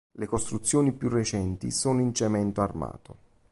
Le costruzioni più recenti sono in cemento armato.